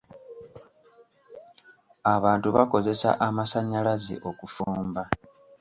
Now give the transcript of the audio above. Abantu bakozesa amasannyalaze okufumba.